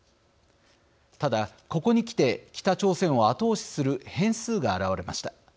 ただここにきて北朝鮮を後押しする変数が現れました。